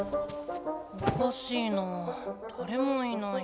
おかしいなぁだれもいない。